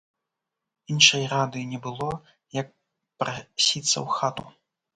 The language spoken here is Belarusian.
Іншай рады не было, як прасіцца ў хату.